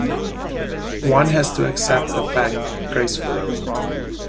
One has to accept the fact, gracefully.